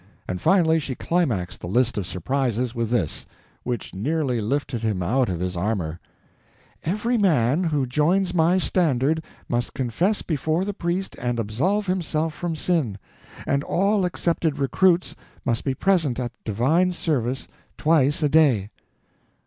And finally she climaxed the list of surprises with this—which nearly lifted him out of his armor: "Every man who joins my standard must confess before the priest and absolve himself from sin; and all accepted recruits must be present at divine service twice a day."